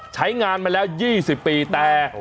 ใช้งานมาแล้ว๒๐ปีแต่